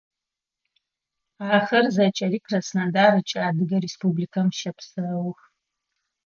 Ахэр зэкӏэри Краснодар ыкӏи Адыгэ Республикэм щэпсэух.